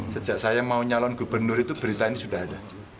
sejak saya mau nyalon gubernur itu berita ini sudah ada